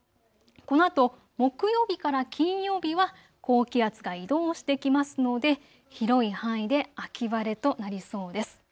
このあと木曜日から金曜日は高気圧が移動してきますので広い範囲で秋晴れとなりそうです。